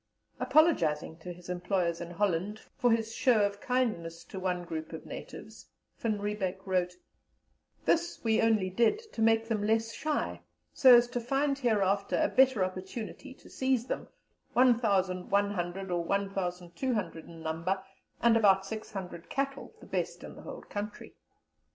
Apologising to his employers in Holland for his show of kindness to one group of natives, Van Riebeck wrote: "This we only did to make them less shy, so as to find hereafter a better opportunity to seize them 1,100 or 1,200 in number, and about 600 cattle, the best in the whole country.